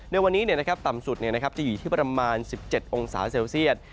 ในวันนี้ต่ำสุดจะอยู่ที่ประมาณ๑๗องศาเซลเซียต